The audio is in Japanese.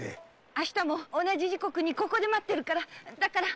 明日も同じ時刻にここで待ってるからだから！